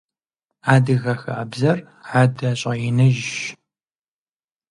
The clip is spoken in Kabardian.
Адыгэ хабзэр адэ щӀэиныжьщ.